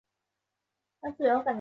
胡佛和托尔森去骑马度假。